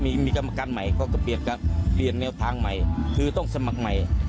มีกรรมการใหม่เขาก็เปลี่ยนแนวทางใหม่คือต้องสมัครใหม่